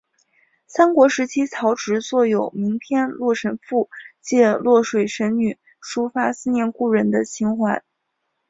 三国时期曹植作有名篇洛神赋借洛水神女抒发思念故人的情怀。